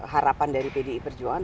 harapan dari pdi perjuangan